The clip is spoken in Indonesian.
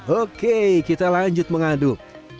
oke kita lanjut mengaduk